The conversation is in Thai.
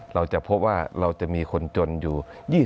เราจะพบว่าเราจะมีคนจนอยู่